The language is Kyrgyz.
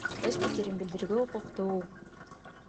Өз пикирин билдирүүгө укуктуу.